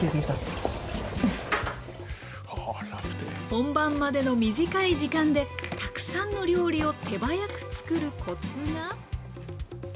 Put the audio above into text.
本番までの短い時間でたくさんの料理を手早く作るコツは？